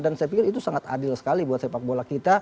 dan saya pikir itu sangat adil sekali buat sepak bola kita